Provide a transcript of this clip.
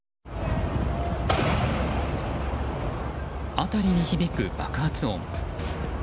辺りに響く爆発音。